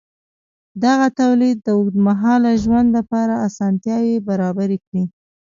دغه تولید د اوږدمهاله ژوند لپاره اسانتیاوې برابرې کړې.